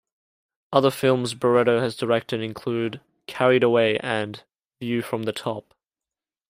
Other films Barreto has directed films include "Carried Away" and "View from the Top".